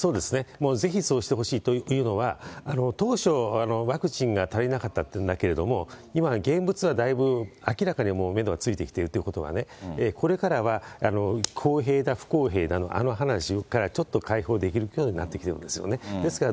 もうぜひそうしてほしい、というのは、当初、ワクチンが足りなかったっていうんだけれども、今、現物はだいぶ、明らかにもうメドがついてきているということはね、これからは、公平だ、不公平だのあの話からちょっと解放できるというふうになってきていると思うんですよね。